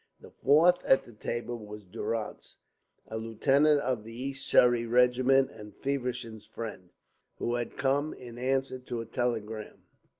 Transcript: The fourth at the table was Durrance, a lieutenant of the East Surrey Regiment, and Feversham's friend, who had come in answer to a telegram.